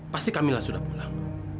pasti kamilah sudah pulang